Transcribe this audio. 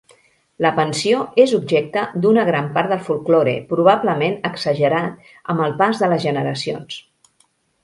La pensió és objecte d'una gran part del folklore, probablement exagerat amb el pas de les generacions.